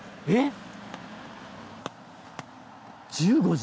えっ！？